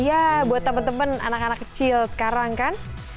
iya buat temen temen anak anak kecil sekarang kan